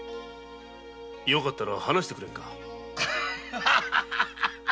よかったら話してくれんか。